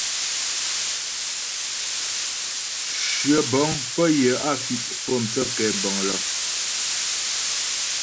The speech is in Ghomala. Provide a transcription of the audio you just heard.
Shyə bə̀ŋ pə́ yə á fi' fə̀'ə mthə́ kɛ̌bəŋ lə.